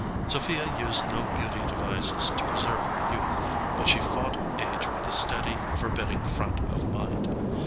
Sophia used no beauty devices to preserve her youth, but she fought age with a steady, forbidding front of mind.